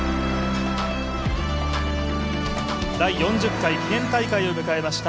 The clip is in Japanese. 第４０回記念大会を迎えました